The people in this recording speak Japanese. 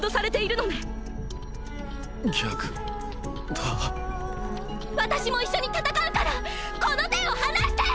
私も一緒に戦うからこの手を放して！！